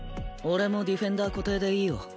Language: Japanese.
俺もディフェンダー固定でいいよ。